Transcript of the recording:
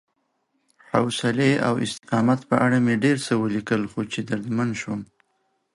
حوصلې او استقامت په اړه مې ډېر څه ولیکل، خو چې دردمن شوم